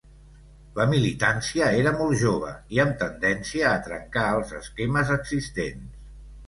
La militància era molt jove i amb tendència a trencar els esquemes existents.